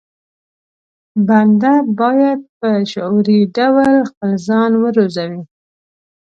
بنده بايد په شعوري ډول خپل ځان وروزي.